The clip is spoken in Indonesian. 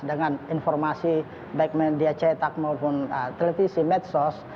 dengan informasi baik media cetak maupun televisi medsos